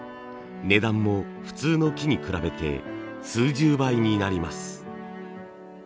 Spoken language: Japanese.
値段も普通の木に比べて数十倍になります。